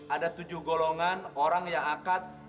ada tujuh golongan orang yang akan